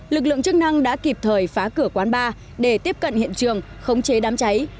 lực lượng chức năng đã kịp thời phá cửa quán bar để tiếp cận hiện trường khống chế đám cháy